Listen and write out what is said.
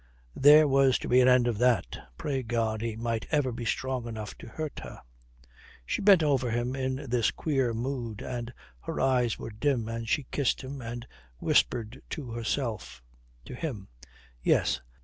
There was to be an end of that. Pray God he might ever be strong enough to hurt her. She bent over him in this queer mood, and her eyes were dim, and she kissed him, and whispered to herself to him. Yes.